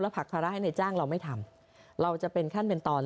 ผลักภาระให้ในจ้างเราไม่ทำเราจะเป็นขั้นเป็นตอน